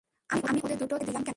আমি ওদের দুটো তোয়ালে দিলাম কেন?